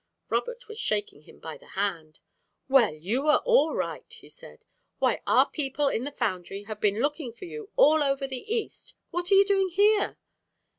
Robert was shaking him by the hand. "Well, you are all right!" he said. "Why, our people in the foundry have been looking for you all over the East. What are you doing here?"